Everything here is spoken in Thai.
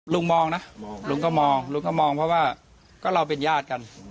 ลุงมองนะลุงก็มองลุงก็มองเพราะว่าก็เราเป็นญาติกัน